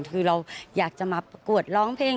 คือเราอยากจะมาประกวดร้องเพลง